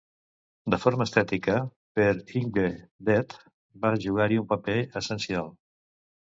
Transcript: De forma estètica, Per Yngve "Dead" va jugar-hi un paper essencial.